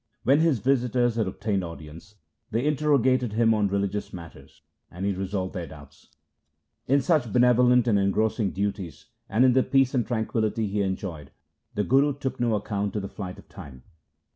When his visitors had ob 60 THE SIKH RELIGION tained audience, they interrogated him on religious matters, and he resolved their doubts. In such benevolent and engrossing duties and in the peace and tranquillity he enjoyed, the Guru took no ac count of the flight of time.